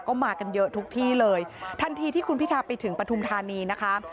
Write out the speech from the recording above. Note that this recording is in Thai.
ก็มากันเยอะทุกที่เลยทันทีที่คุณพิทาไปถึงปฐุมธานีนะคะ